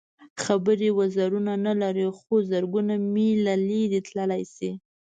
خبرې وزرونه نه لري خو زرګونه مېله لرې تللی شي.